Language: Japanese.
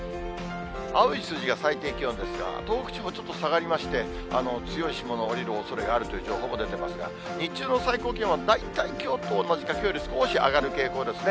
青い数字が最低気温ですが、東北地方、ちょっと下がりまして、強い霜の降りるおそれがあるという情報も出ていますが、日中の最高気温は大体きょうと同じか、きょうより少し上がる傾向ですね。